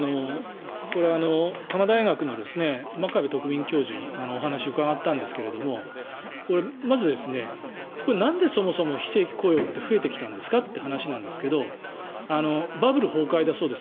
多摩大学の真壁特任教授にお話を伺ったんですがまず、そもそも非正規雇用って増えてきたんですかという話なんですけどバブル崩壊だそうです。